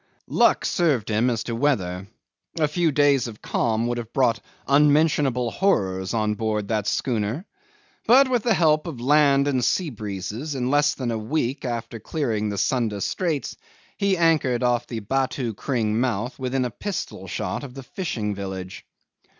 'Luck served him as to weather. A few days of calm would have brought unmentionable horrors on board that schooner, but with the help of land and sea breezes, in less than a week after clearing the Sunda Straits, he anchored off the Batu Kring mouth within a pistol shot of the fishing village.